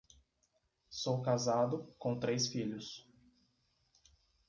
Sou casado com três filhos